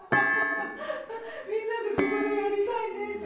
みんなでここでやりたいねって。